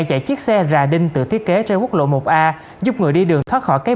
giờ đi ra đợi ngồi dậy